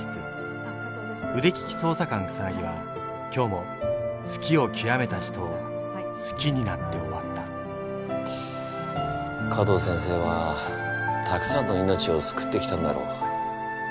腕利き捜査官草は今日も好きをきわめた人を好きになって終わった加藤先生はたくさんの命を救ってきたんだろう。